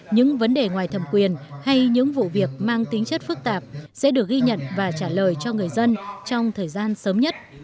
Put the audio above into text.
những vấn đề ngoài thẩm quyền hay những vụ việc mang tính chất phức tạp sẽ được ghi nhận và trả lời cho người dân trong thời gian sớm nhất